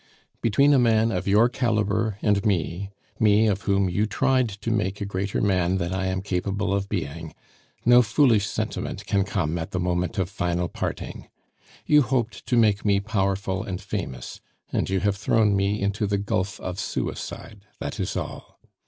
"Between a man of your calibre and me me of whom you tried to make a greater man than I am capable of being no foolish sentiment can come at the moment of final parting. You hoped to make me powerful and famous, and you have thrown me into the gulf of suicide, that is all.